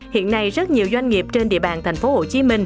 hiện nay rất nhiều doanh nghiệp trên địa bàn tp hcm